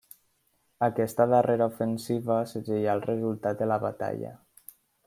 Aquesta darrera ofensiva segellà el resultat de la batalla.